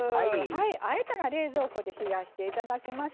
あえたら冷蔵庫で冷やしていただきます。